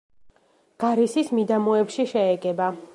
გარისის მიდამოებში შეეგება.